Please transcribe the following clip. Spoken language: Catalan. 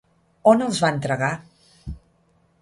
On els va entregar?